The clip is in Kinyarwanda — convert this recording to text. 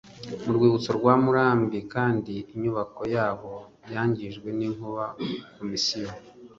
Mu rwibutso rwa Murambi kandi inyubako yaho yangijwe n inkuba Komisiyo